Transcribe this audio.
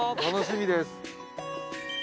楽しみです。